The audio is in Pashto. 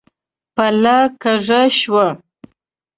پله کږه شوه.